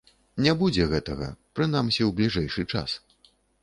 Не будзе гэтага, прынамсі, у бліжэйшы час.